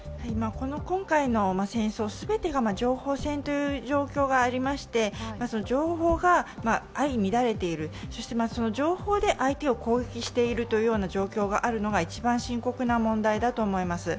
今回の戦争、全てが情報戦という状況がありまして情報が相乱れている、そして情報で相手を攻撃しているというような状況があるのが一番深刻な問題だと思います。